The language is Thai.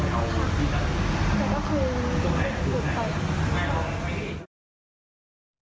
คงคงค่ะ